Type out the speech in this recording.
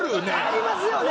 ありますよね！